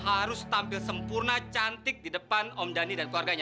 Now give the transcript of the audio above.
harus tampil sempurna cantik di depan om dhani dan keluarganya